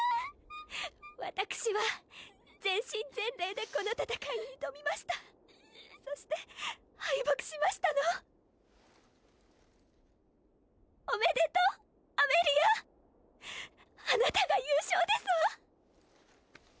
私は全身全霊でこの戦いに挑みましたそして敗北しましたのおめでとうアメリアあなたが優勝ですわ！